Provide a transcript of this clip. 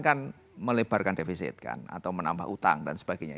kan melebarkan defisit kan atau menambah utang dan sebagainya